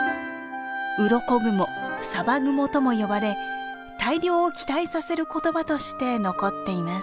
うろこ雲さば雲とも呼ばれ大漁を期待させる言葉として残っています。